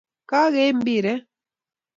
Kageib mbiret